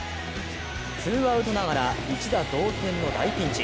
ツーアウトながら一打同点の大ピンチ。